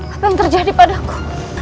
apa yang terjadi padaku